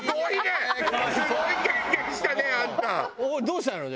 どうしたの？